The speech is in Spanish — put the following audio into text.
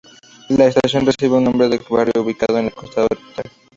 La estación recibe su nombre del barrio ubicado en el costado oriental.